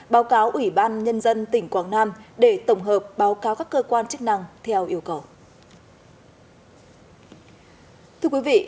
báo cáo ủy ban nhân dân tỉnh quảng nam để tổng hợp báo cáo các cơ quan chức năng theo yêu cầu